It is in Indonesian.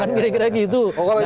kan kira kira gitu